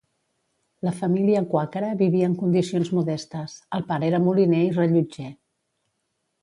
La família quàquera vivia en condicions modestes; el pare era moliner i rellotger.